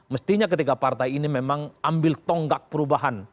mestinya ketika partai ini memang ambil tonggak perubahan